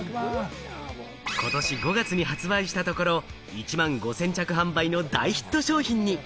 ことし５月に発売したところ、１万５０００着販売の大ヒット商品に。